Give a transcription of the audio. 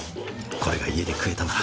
これが家で食えたなら。